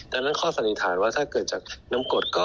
ดังนั้นข้อสันนิษฐานว่าถ้าเกิดจากน้ำกรดก็